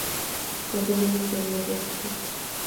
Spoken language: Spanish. La estación dispone de tres acceso.